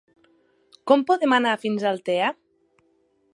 Com podem anar fins a Altea?